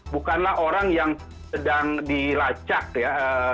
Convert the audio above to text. bukanlah orang yang sedang dilacak ya